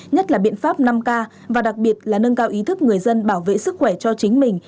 nhất là biện pháp năm k và đặc biệt là nâng cao ý thức người dân bảo vệ sức khỏe cho chính mình